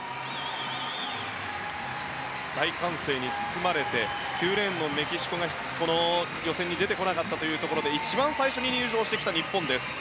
大歓声に包まれて９レーンのメキシコが予選に出てこなかったというところで一番最初に入場してきた日本です。